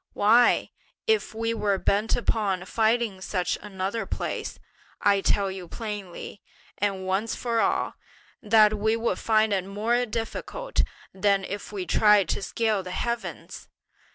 why, if we were bent upon finding such another place, I tell you plainly, and once for all, that we would find it more difficult than if we tried to scale the heavens!